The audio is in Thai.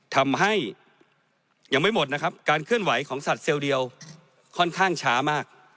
ทำให้ยังไม่หมดนะครับการเคลื่อนไหวของสัตว์เซลล์เดียวค่อนข้างช้ามาก